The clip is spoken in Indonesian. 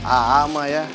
ah sama ya